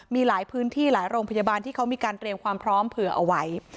มีหลายพื้นที่หลายโรงพยาบาลที่เขามีการเตรียมความพร้อมเผื่อเอาไว้